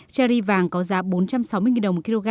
cherry vàng có giá bốn trăm sáu mươi đồng một kg